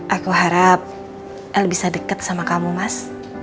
aku harap el bisa deket sama kamu mas